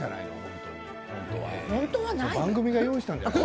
番組が用意したんじゃないの？